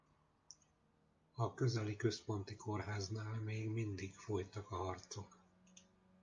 A közeli központi kórháznál még mindig folytak a harcok.